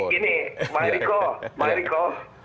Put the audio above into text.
jadi gini bang eriko